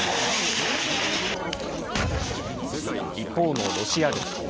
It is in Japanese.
一方のロシア軍。